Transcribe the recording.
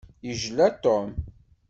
Yejla Tom.